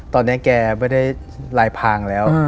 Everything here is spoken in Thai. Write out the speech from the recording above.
ตอนนี้แกไม่ได้ลายพางแล้ว